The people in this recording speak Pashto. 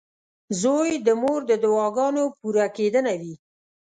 • زوی د مور د دعاګانو پوره کېدنه وي.